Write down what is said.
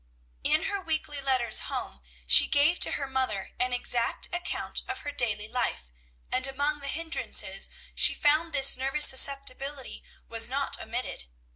In her weekly letters home she gave to her mother an exact account of her daily life, and among the hindrances she found this nervous susceptibility was not omitted.